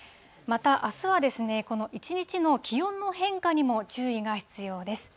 またあすは、この１日の気温の変化にも注意が必要です。